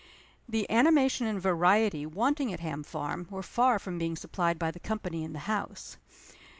The animation and variety wanting at Ham Farm were far from being supplied by the company in the house.